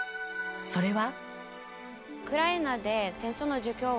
それは。